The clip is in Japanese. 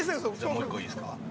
◆もう一個いいですか。